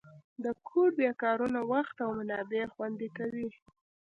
د کوډ بیا کارونه وخت او منابع خوندي کوي.